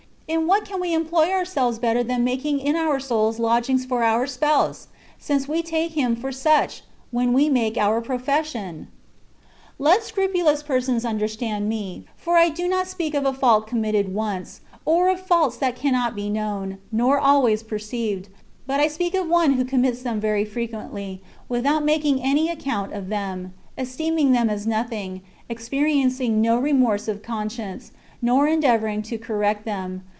In what can we employ ourselves better than making in our souls lodgings for our Spouse^ CONCEPTIONS OF DIVINE LOVE, 237 since we take Him for such^ when we make our profession ? Let scrupulous persons understand me^ for I do not speak of a fault committed once, or of faults that cannot be known, nor always perceived; but I speak of one who commits them very frequently, without making any account of them, esteeming them as nothing, experiencing no remorse of conscience, nor endeavouring to correct them.